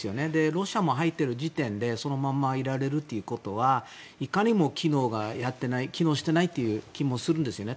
ロシアも入っている時点でそのままいられるということはいかにも機能していないという気もするんですね。